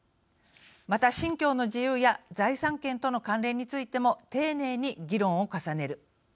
また、信教の自由や財産権との関連についても丁寧に議論を重ねる。